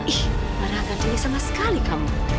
ih marahkan diri sama sekali kamu